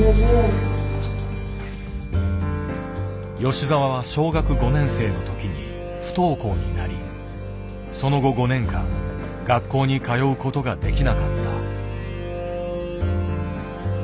吉澤は小学５年生の時に不登校になりその後５年間学校に通うことができなかった。